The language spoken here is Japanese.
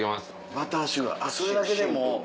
バターシュガーあっそれだけでもう？